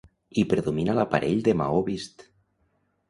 Hi predomina l'aparell de maó vist.